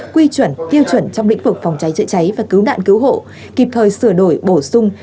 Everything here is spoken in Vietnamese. quy chuẩn tiêu chuẩn trong lĩnh vực phòng cháy chữa cháy và cứu nạn cứu hộ kịp thời sửa đổi bổ sung